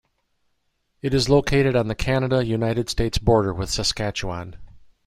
It is located on the Canada-United States border with Saskatchewan.